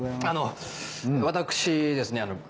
あの私ですね